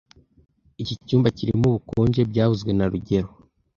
Iki cyumba kirimo ubukonje byavuzwe na rugero